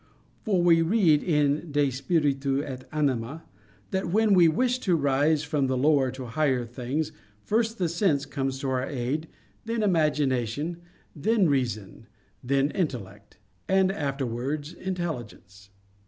For we read in De Spiritu et Anima that "when we wish to rise from lower to higher things, first the sense comes to our aid, then imagination, then reason, then intellect, and afterwards intelligence."